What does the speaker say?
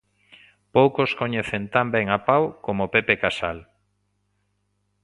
Poucos coñecen tan ben a Pau como Pepe Casal.